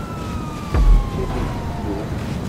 Ičča deg iflu.